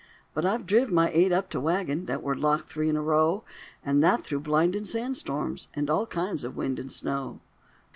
But I've driv my eight up to wagon That were locked three in a row, And that through blindin' sand storms, And all kinds of wind and snow.